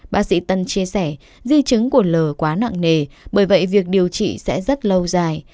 bác sĩ tân chia sẻ di chứng của lờ quá nặng nề bởi vậy việc điều trị sẽ rất lâu dài